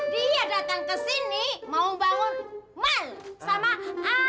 dia datang ke sini mau bangun mal sama asap